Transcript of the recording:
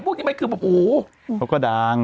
โอ้โหเขาก็ดัง